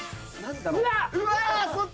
うわっ！